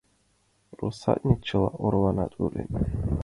Россатньык чыла ораванат волен.